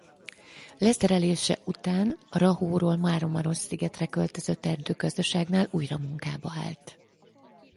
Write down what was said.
Leszerelése után a Rahóról Máramarosszigetre költözött erdőgazdaságnál újra munkába állt.